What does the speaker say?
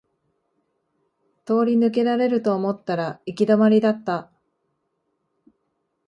通り抜けられると思ったら行き止まりだった